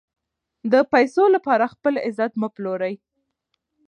د پیسو لپاره خپل عزت مه پلورئ.